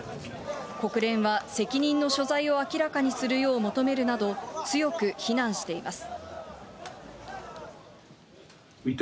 国連は責任の所在を明らかにするよう求めるなど、強く非難しています。